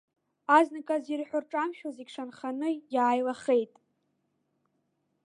Азныказ ирҳәо рҿамшәо зегьы шанханы иааилахеит.